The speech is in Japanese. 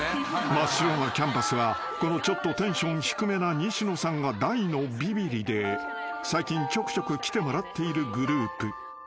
［真っ白なキャンバスはこのちょっとテンション低めな西野さんが大のビビリで最近ちょくちょく来てもらっているグループ］